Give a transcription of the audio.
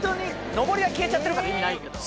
のぼりが消えちゃってるから意味ないけど。